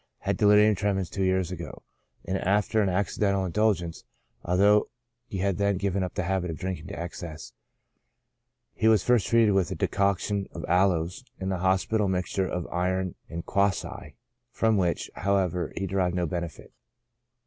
Had delirium tremens two years ago, after an accidental indulgence, although he had then given up the habit of drinking to excess. He was first treated with a decoction of aloes, and the hospital mixture of iron and quassia, from which, however, he de rived no benefit.